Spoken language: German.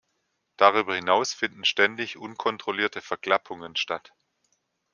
Darüber hinaus finden ständig unkontrollierte Verklappungen statt.